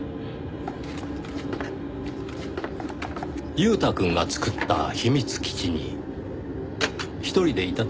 裕太くんが作った秘密基地に１人でいた時。